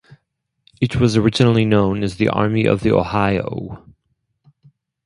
It was originally known as the Army of the Ohio.